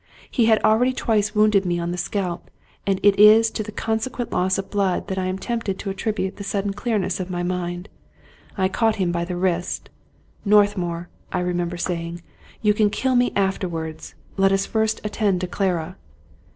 He had already twice wounded me on the scalp ; and it is to the con sequent loss of blood that I am tempted to attribute the sudden clearness of my mind. I caught him by the wrist. " Northmour," I remember saying, " you can kill me afterwards. Let us first attend to Clara."